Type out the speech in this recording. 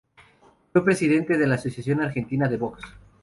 Fue presidente de la Asociación Argentina de Box.